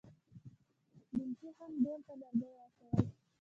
ډولچي هم ډول ته لرګي واچول.